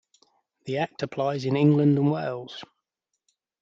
The Act applies in England and Wales.